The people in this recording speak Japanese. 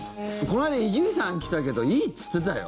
この間伊集院さん来たけどいいって言ってたよ。